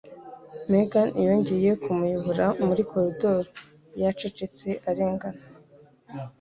Megan yongeye kumuyobora muri koridoro yacecetse arengana.